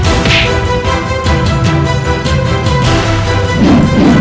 nanti kalian bisa melakukan treball ke tau kee my tujuh puluh tiga